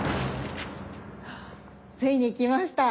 ついにきました。